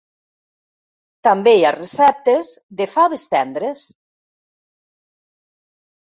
També hi ha receptes de faves tendres.